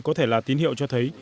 có thể là tín hiệu cho thấy